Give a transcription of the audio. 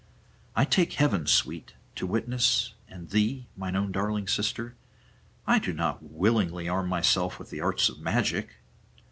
I take heaven, sweet, to witness, and thee, mine own darling sister, I do not willingly arm myself with the arts of magic.